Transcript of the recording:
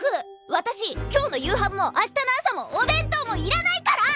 私今日の夕飯も明日の朝もお弁当もいらないから！